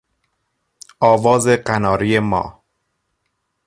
آواز قناری ما